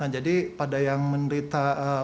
jadi pada yang menderita kelahiran kesehatan